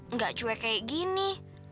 nggak cuek kayak gini